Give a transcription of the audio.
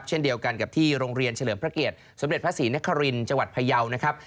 เช่นเดียวกันกับที่โรงเรียนเฉลิมพระเกียรติสมเด็จพระศรีนครินทร์จังหวัดพยาวนะครับ